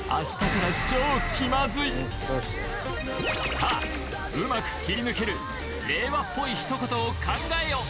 さあうまく切り抜ける令和っぽいひと言を考えよ！